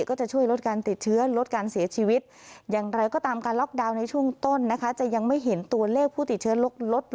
ก็จะช่วยลดการติดเชื้อลดการเสียชีวิต